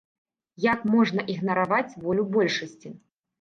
Як можна ігнараваць волю большасці!